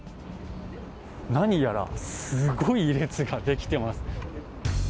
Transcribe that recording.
何やらすごい列ができています。